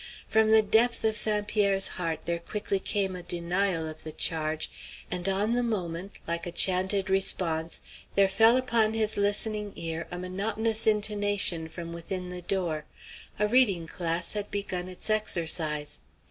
From the depth of St. Pierre's heart there quickly came a denial of the charge; and on the moment, like a chanted response, there fell upon his listening ear a monotonous intonation from within the door. A reading class had begun its exercise.